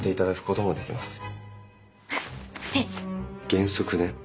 原則ね。